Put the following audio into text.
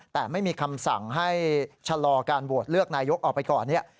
แต่ไม่มีคำสั่งให้ชะลอการโหวตเลือกนายกออกไปก่อนเนี่ย